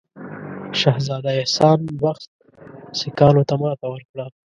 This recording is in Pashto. شهزاده احسان بخت سیکهانو ته ماته ورکړه.